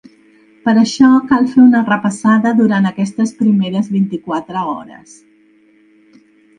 Per això cal fer una repassada durant aquestes primeres vint-i-quatre hores.